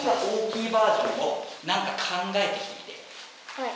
はい。